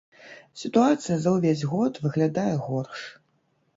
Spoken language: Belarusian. Сітуацыя за ўвесь год выглядае горш.